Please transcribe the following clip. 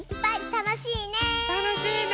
たのしいね！